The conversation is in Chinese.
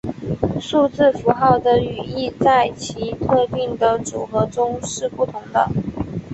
数字符号的语义在其特定的组合中是不同的。